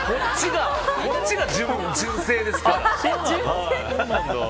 こっちが純正ですから。